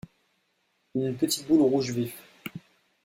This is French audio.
une petite boule rouge vif.